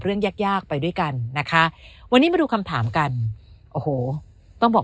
เรื่องแยกไปด้วยกันนะคะวันนี้มาดูคำถามกันต้องบอก